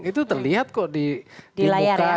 itu terlihat kok di muka